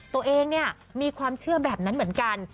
ตัวเองเนี่ยมีความเชื่อแบบนั้นเหมือนกัน